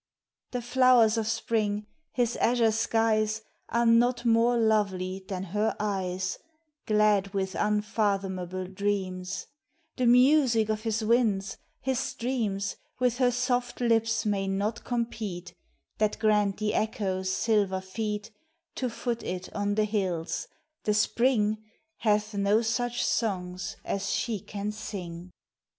The flowers of Spring, his azure skies, Are not more lovely than her eyes, Glad with unfathomable dreams ; The music of his winds, his streams, With her soft lips may not compete That grant the echoes silver feet To foot it on the hills ; the Spring Hath no such songs as she can sing.